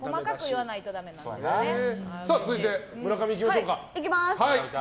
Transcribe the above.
続いて、村上いきましょう。